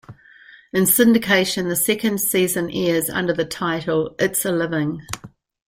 In syndication, the second season airs under the title "It's a Living".